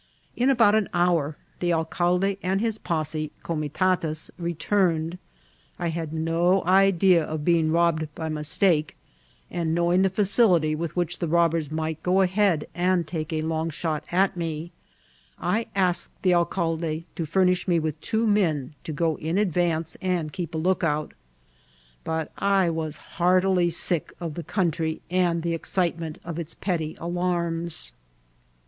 In about an hour the alcalde and his posse oomitatus returned. I had^no idea of being robbed by mistake ; and, knowing the facility with which the robbers might go ahead and take a long shot at me, I asked the al* calde to finrnish me with two m&OL to go in advance and keep a lookout ; but I was heartily sick of the country and the excitement of its petty alarms.